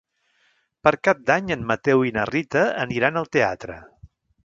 Per Cap d'Any en Mateu i na Rita aniran al teatre.